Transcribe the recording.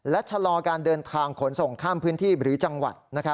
และชะลอการเดินทางขนส่งข้ามพื้นที่หรือจังหวัด